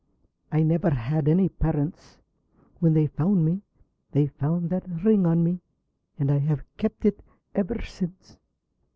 I never had any parents. When they found me they found that ring on me, and I have kept it ever since!